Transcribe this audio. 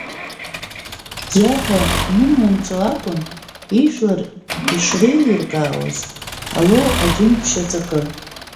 Иаҳәа нымҩанҵо акәын ижәлар ишреилиркаауаз Алоу адин ԥшьа аҵакы.